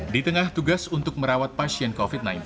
di tengah tugas untuk merawat pasien covid sembilan belas